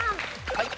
はい。